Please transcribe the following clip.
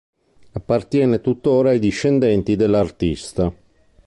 Appartiene tuttora ai discendenti dell'artista.